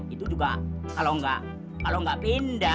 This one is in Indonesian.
itu juga kalau nggak pindah